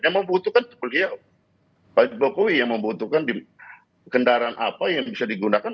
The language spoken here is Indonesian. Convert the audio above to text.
yang membutuhkan beliau pak jokowi yang membutuhkan kendaraan apa yang bisa digunakan